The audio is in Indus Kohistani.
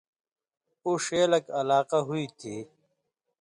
اُو ݜے لک علاقہ ہُوئ تھی